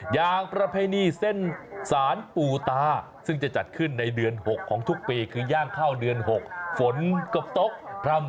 อย่างประเพณีเส้นสารปูตาซึ่งจะจัดขึ้นในเดือน๖ของทุกปีคือย่างเข้าเดือน๖ฝนก็ตกพร่ำ